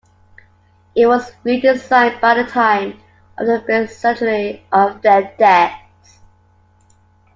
It was redesigned by the time of the bicentenary of their deaths.